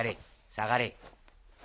下がれ。